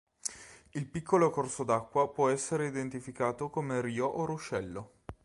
Il piccolo corso d'acqua può essere identificato come rio o ruscello.